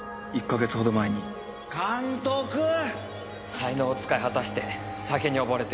才能を使い果たして酒に溺れて。